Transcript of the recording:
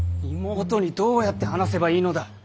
妹にどうやって話せばいいのだ。